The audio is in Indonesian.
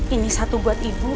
ini satu buat ibu